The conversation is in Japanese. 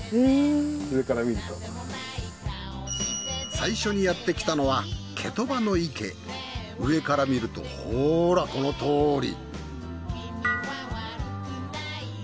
最初にやってきたのは上から見るとほらこのとおり。